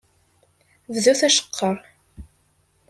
Bdut aceqqer.